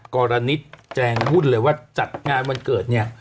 กรณิชย์แจงพูดเลยว่าจัดงานวันเกิดเนี่ย